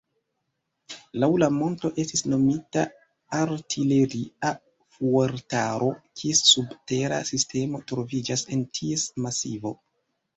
Laŭ la monto estis nomita artileria fuortaro, kies subtera sistemo troviĝas en ties masivo.